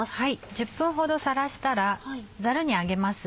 １０分ほどさらしたらざるにあげます。